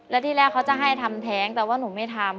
แล้วที่แรกเขาจะให้ทำแท้งแต่ว่าหนูไม่ทำ